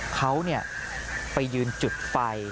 เขาไปยืนจุดไฟ